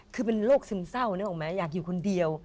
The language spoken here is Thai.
คือเป็นโรคซึมเศร้านึกออกไหมอยากอยู่คนเดียว